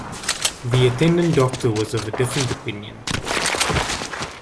The attendant doctor was of a different opinion.